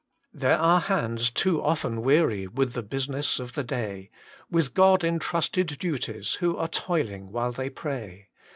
There are hands too often weary With the business of the day, With God entrusted duties, Who are toiling while they pray.